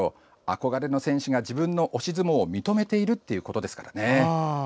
憧れの選手が自分の押し相撲を認めているってことですからね。